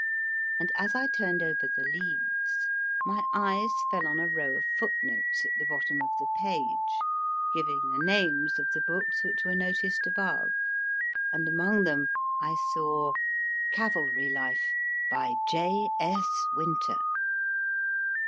And as I turned over the leaves, my eyes fell on a row of foot notes at the bottom of the page, giving the names of the books which were noticed above, and among them I saw 1 Cavalry Life, by J. S. Winter.